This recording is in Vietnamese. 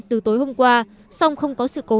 từ tối hôm qua song không có sự cố